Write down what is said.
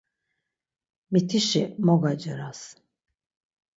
Mitişi mo gaceras!